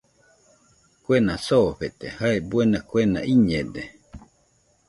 Kuena soofete jae buena kuena uiñede